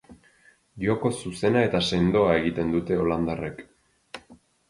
Joko zuzena eta sendoa egiten dute holandarrek.